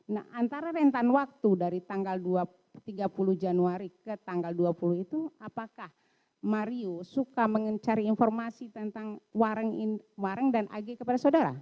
nah antara rentan waktu dari tanggal tiga puluh januari ke tanggal dua puluh itu apakah mario suka mencari informasi tentang wareng dan ag kepada saudara